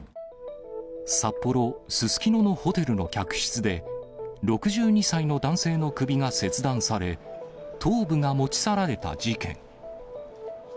札幌・すすきののホテルの客室で、６２歳の男性の首が切断され、頭部が持ち去られた事件。